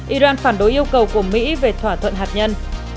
iran phản đối yêu cầu của mỹ về thỏa thuận hạt nhân